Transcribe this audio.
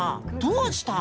どうした？